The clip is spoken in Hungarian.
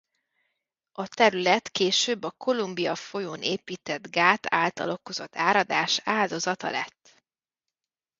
A terület később a Columbia folyón épített gát által okozott áradás áldozata lett.